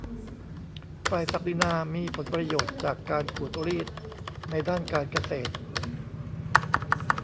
ฝ่ายศักดินามีผลประโยชน์จากการขูดรีดในด้านการเกษตร